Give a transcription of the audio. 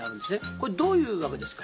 これどういうわけですか？